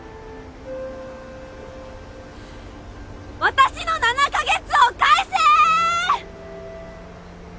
私の７か月を返せ！！